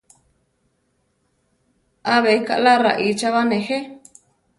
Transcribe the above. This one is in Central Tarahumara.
Abe kaʼla raícha ba, néje?